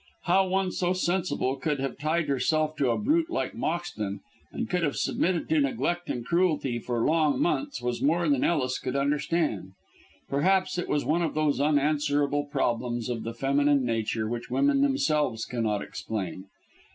How one so sensible could have tied herself to a brute like Moxton, and could have submitted to neglect and cruelty for long months was more than Ellis could understand. Perhaps it was one of those unanswerable problems of the feminine nature which women themselves cannot explain.